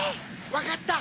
わかった！